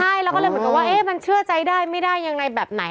ใช่แล้วก็เลยเหมือนกับว่ามันเชื่อใจได้ไม่ได้ยังไงแบบไหน